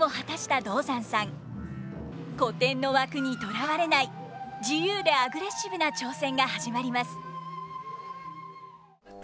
古典の枠にとらわれない自由でアグレッシブな挑戦が始まります。